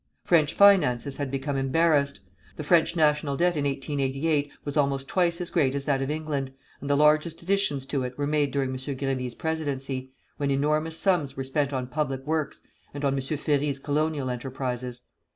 French finances had become embarrassed. The French national debt in 1888 was almost twice as great as that of England, and the largest additions to it were made during M. Grévy's presidency, when enormous sums were spent on public works and on M. Ferry's colonial enterprises.